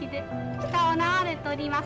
下を流れております